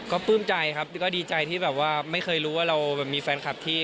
ก็ภื่มใจครับ